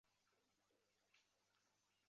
建于明永乐年间。